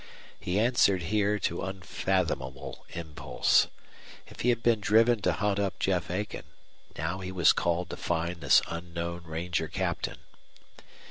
He answered here to unfathomable impulse. If he had been driven to hunt up Jeff Aiken, now he was called to find this unknown ranger captain.